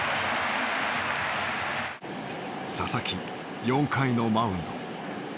佐々木４回のマウンド。